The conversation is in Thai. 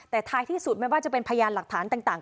แต่ท้ายที่สุดไม่ว่าจะเป็นพยานหลักฐานต่าง